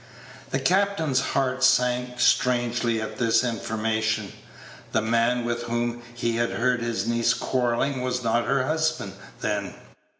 The captain's heart sank strangely at this information. The man with whom he had heard his niece quarrelling was not her husband, then.